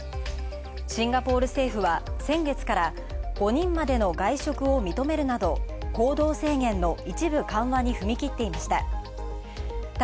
シンガポール政府は先月から５人までの外食を認めるなど行動制限の一部緩和に踏み切っていました。